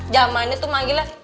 jamannya tuh manggilnya